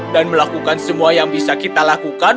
dan melakukan semua yang bisa kita lakukan